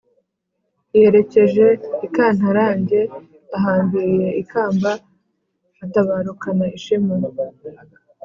yerekeje i kantarange, ahambariye ikamba atabarukana ishema